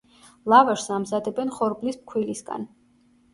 ლავაშს ამზადებენ ხორბლის ფქვილისგან.